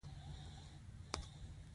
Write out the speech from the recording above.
ایا زما بې هوښي به ښه شي؟